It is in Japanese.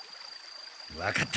わかった。